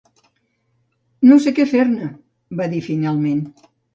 "No sé què fer-ne", va dir finalment.